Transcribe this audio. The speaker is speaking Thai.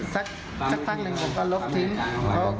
ซักพันตัวหนึ่งต่อลบทิ้ง